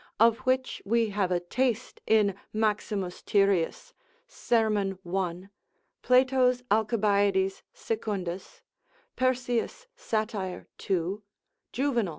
of which we have a taste in Maximus Tyrius, serm. 1. Plato's Alcibiades Secundus, Persius Sat. 2. Juvenal.